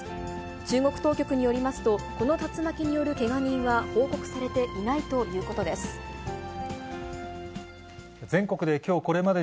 中国当局によりますと、この竜巻によるけが人は報告されていないということです。